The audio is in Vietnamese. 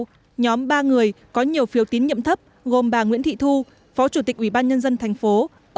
tiếp theo nhóm ba người có nhiều phiếu tín nhiệm thấp gồm bà nguyễn thị thu phó chủ tịch ủy ban nhân dân tp hcm